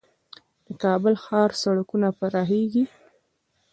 د کابل ښار سړکونه پراخیږي؟